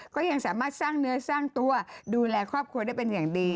ก็ยังสามารถสร้างเนื้อสร้างตัวดูแลครอบครัวได้เป็นอย่างดี